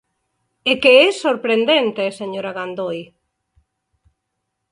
¡É que é sorprendente, señora Gandoi!